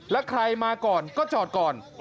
แล้วใครมาก่อนก็จอดก่อน